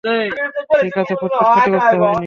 ঠিক আছে, ফুসফুস ক্ষতিগ্রস্থ হয়নি।